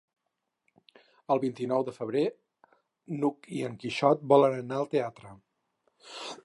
El vint-i-nou de febrer n'Hug i en Quixot volen anar al teatre.